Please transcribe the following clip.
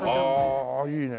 ああいいね。